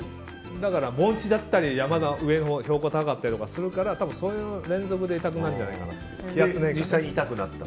だから盆地だったり山で標高が高かったりするからそういう連続で痛くなるじゃないかなと。